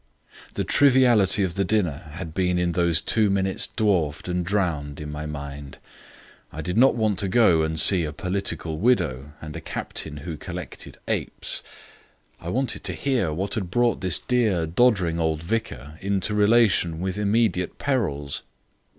The triviality of the dinner had been in those two minutes dwarfed and drowned in my mind. I did not want to go and see a political widow, and a captain who collected apes; I wanted to hear what had brought this dear, doddering old vicar into relation with immediate perils.